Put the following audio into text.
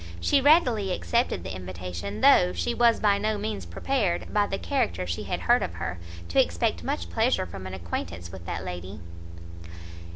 She readily accepted the invitation, though she was by no means prepared, by the character she had heard of her, to expect much pleasure from an acquaintance with that lady.